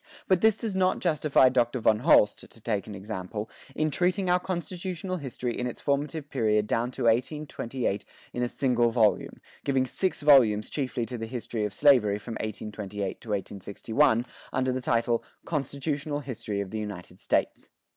But this does not justify Dr. von Holst (to take an example) in treating our constitutional history in its formative period down to 1828 in a single volume, giving six volumes chiefly to the history of slavery from 1828 to 1861, under the title "Constitutional History of the United States."